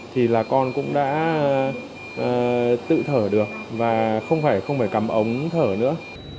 thì là con cũng đã tự thở được và không phải cắm ống thở nữa